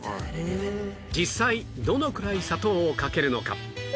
実際どのくらい砂糖をかけるのか